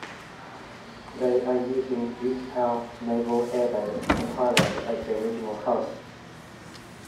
They are using Utapao Naval Air Base in Thailand as their regional hub.